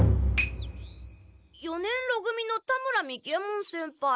四年ろ組の田村三木ヱ門先輩。